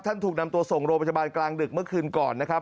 ถูกนำตัวส่งโรงพยาบาลกลางดึกเมื่อคืนก่อนนะครับ